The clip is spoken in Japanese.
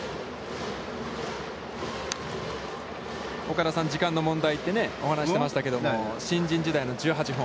岡田さん、時間の問題って、お話ししていましたけど、新人時代の１４本。